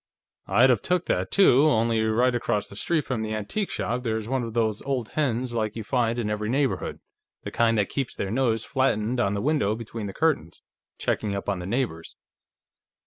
I'd of took that, too, only right across the street from the antique shop there is one of these old hens like you find in every neighborhood, the kind that keeps their nose flattened on the window between the curtains, checking up on the neighbors.